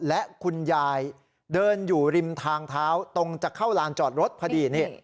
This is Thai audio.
และคุณยายเดินอยู่ริมทางเท้าตรงจะเข้าลานจอดรถพอดี